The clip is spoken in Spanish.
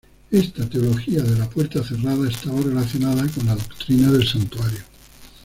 Esta teología de la puerta cerrada estaba relacionada con la doctrina del Santuario.